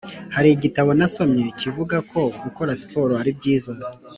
hari igitabo nasomye kivuga ko gukora sport ari byiza